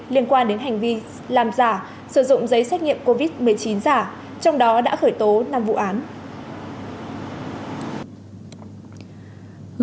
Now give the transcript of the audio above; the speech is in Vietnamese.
liên quan đến hành vi làm giả sử dụng giấy xét nghiệm covid một mươi chín giả trong đó đã khởi tố năm vụ án